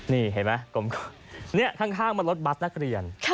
นี่เห็นไหมด้านข้างก็มีรถบัสนักเรียน